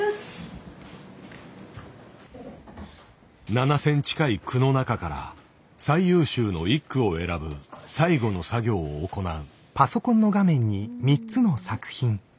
７，０００近い句の中から最優秀の１句を選ぶ最後の作業を行う。